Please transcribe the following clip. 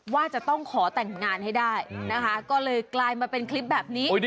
ว่าจะต้องขอแต่งงานให้ได้นะคะก็เลยกลายมาเป็นคลิปแบบนี้